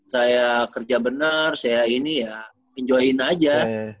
saya kerja benar saya ini ya pinjoin aja